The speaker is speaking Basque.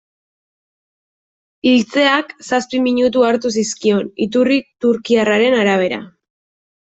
Hiltzeak zazpi minutu hartu zizkion, iturri turkiarraren arabera.